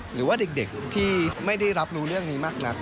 หรือว่าเด็กที่ไม่ได้รับรู้เรื่องนี้มากนัก